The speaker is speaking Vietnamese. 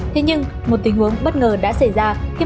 thưa nhé con sang đây để chơi